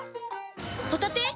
ホタテ⁉